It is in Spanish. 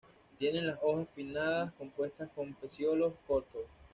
Tienen las hojas pinnadas compuestas con pecíolos cortos.